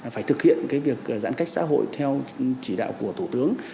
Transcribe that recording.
phải thực hiện việc giãn cách xã hội theo chỉ đạo của thủ tướng